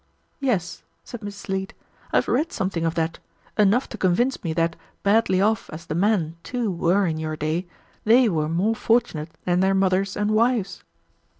"Yes," said Mrs. Leete, "I have read something of that; enough to convince me that, badly off as the men, too, were in your day, they were more fortunate than their mothers and wives."